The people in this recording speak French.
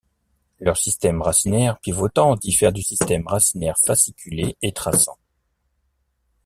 Leur système racinaire pivotant diffère du système racinaire fasciculé et traçant.